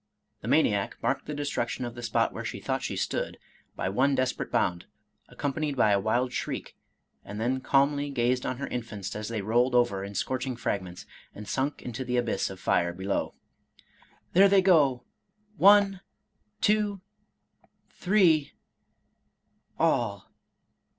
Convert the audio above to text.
The maniac marked the destruction of the spot where she thought she stood by one desperate bound, accompanied by a wild shriek, and then calmly gazed on her infants as they rolled over the scorching fragments, and sunk into the abyss of fire below. " There they go, — one — ^two— three —• all